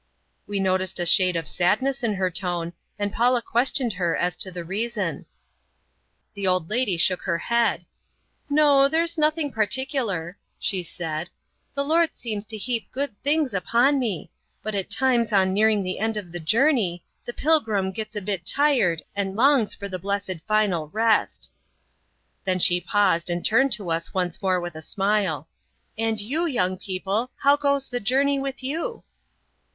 We noticed a shade of sadness in her tone, and Paula questioned her as to the reason. The old lady shook her head. "No, there's nothing particular," she said; "the Lord seems to heap good things upon me; but at times on nearing the end of the journey the pilgrim gets a bit tired and longs for the blessed final rest." Then she paused and turned to us once more with a smile. "And you, young people, how goes the journey with you?"